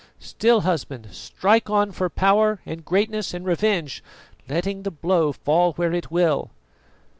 Still, husband, strike on for power and greatness and revenge, letting the blow fall where it will."